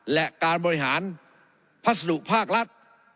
และการบริหารพัสดุภาครัฐ